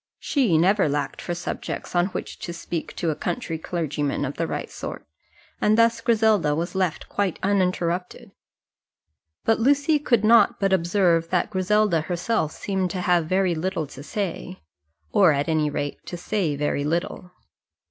She never lacked for subjects on which to speak to a country clergyman of the right sort, and thus Griselda was left quite uninterrupted. But Lucy could not but observe that Griselda herself seemed to have very little to say, or at any rate to say very little.